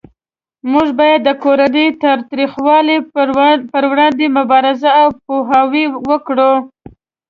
موږ باید د کورنۍ تاوتریخوالی پروړاندې مبارزه او پوهاوی وکړو